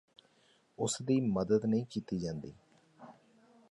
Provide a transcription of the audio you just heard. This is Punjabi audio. ਉਸ ਦੀ ਮਦਦ ਨਹੀਂ ਕੀਤੀ ਜਾਂਦੀ